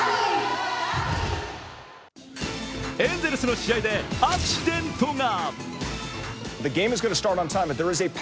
エンゼルスの試合でアクシデントが。